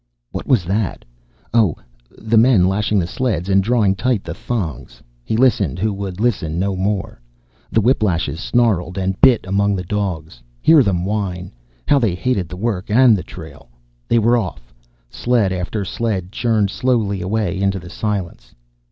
What was that? Oh, the men lashing the sleds and drawing tight the thongs. He listened, who would listen no more. The whip lashes snarled and bit among the dogs. Hear them whine! How they hated the work and the trail! They were off! Sled after sled churned slowly away into the silence.